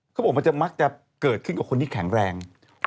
เขาบอกมันจะมักจะเกิดขึ้นกับคนที่แข็งแรง